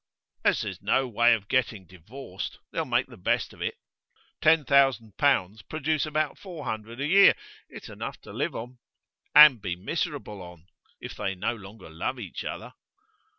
'As there's no way of getting divorced they'll make the best of it. Ten thousand pounds produce about four hundred a year; it's enough to live on.' 'And be miserable on if they no longer love each other.